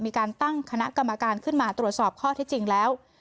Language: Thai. มีการตั้งคณะกรรมการขึ้นมาตรวจสอบข้อที่จริงแล้ว